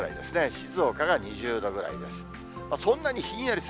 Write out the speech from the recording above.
静岡が２０度ぐらいです。